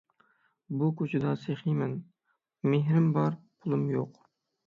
بۇ كۇچىدا سېخى مەن، مېھرىم بارۇ پۇلۇم يوق،